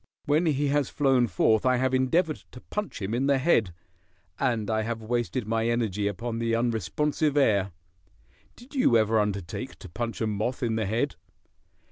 When he has flown forth I have endeavored to punch him in the head, and I have wasted my energy upon the unresponsive air. Did you ever undertake to punch a moth in the head?"